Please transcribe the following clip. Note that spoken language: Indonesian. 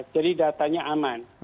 jadi datanya aman